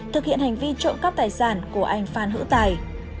thực hiện hành vi trộm cắp tài sản của anh phan hữu tài